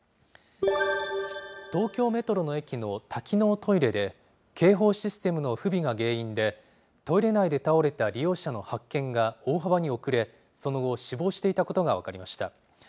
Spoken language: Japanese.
東京メトロの駅の多機能トイレで、警報システムの不備が原因でトイレ内で倒れた利用者の発見が大幅に遅れ、その後、死亡していたことが分かりました。